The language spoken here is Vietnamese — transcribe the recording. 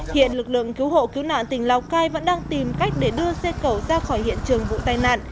hiện lực lượng cứu hộ cứu nạn tỉnh lào cai vẫn đang tìm cách để đưa xe cẩu ra khỏi hiện trường vụ tai nạn